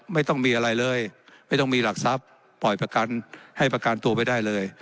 ไม่ต้องมีอะไรเลยไม่ต้องมีหลักทรัพย์ปล่อยประกันให้ประกันตัวไปได้เลย